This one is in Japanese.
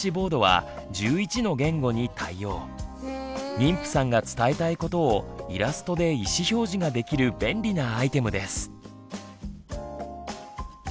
妊婦さんが伝えたいことをイラストで意思表示ができる便利なアイテムです。